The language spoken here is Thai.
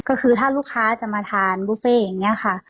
ก็คือถ้าลูกค้าจะมาทานบุฟเฟ่อย่างนี้ค่ะ